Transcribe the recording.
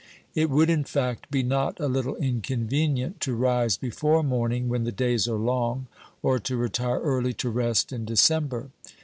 It would, in fact, be not a little inconvenient to rise before morning when the days are long, or to retire early to rest in December.